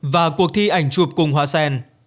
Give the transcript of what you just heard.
và cuộc thi ảnh chụp cùng hóa sen